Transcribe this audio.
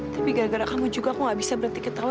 tapi gara gara kamu juga kok gak bisa berhenti ketawa